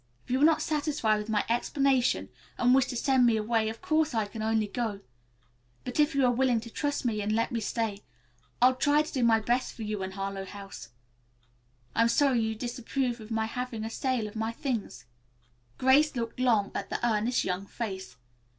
If you are not satisfied with my explanation and wish to send me away, of course I can only go, but if you are willing to trust me and let me stay I'll try to do my best for you and Harlowe House. I'm sorry you disapprove of my having a sale of my things." Grace looked long at the earnest young face.